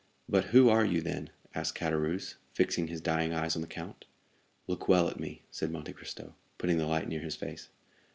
"But who are you, then?" asked Caderousse, fixing his dying eyes on the count. "Look well at me!" said Monte Cristo, putting the light near his face.